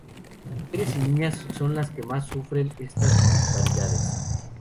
Las mujeres y niñas son las que más sufren estas disparidades.